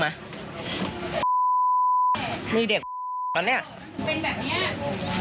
ไม่ใช่เกี่ยวกับพ่อกับแม่พ่อกับแม่ต่อแล้วเด็กมันเป็นอย่างนี้